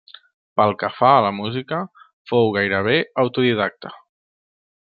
Pel que fa a la música, fou gairebé autodidacta.